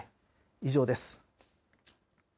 以上です。